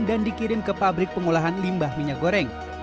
dan dikirim ke pabrik pengolahan limbah minyak goreng